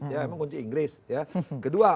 ya emang kunci inggris ya kedua